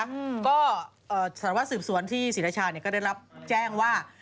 ก็ศาลว่าสืบสวนที่ศรีรชาเนี่ยก็ได้รับแจ้งว่า